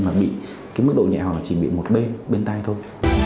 mà bị cái mức độ nhẹ họ là chỉ bị một bên bên tay thôi